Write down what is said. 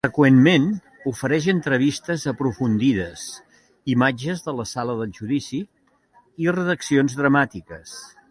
Freqüentment, ofereix entrevistes aprofundides, imatges de la sala del judici i redaccions dramàtiques.